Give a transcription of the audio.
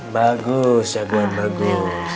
bagus jaguan bagus